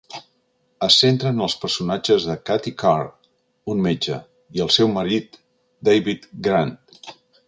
Es centra en els personatges de Katie Carr, un metge, i el seu marit, David Grant.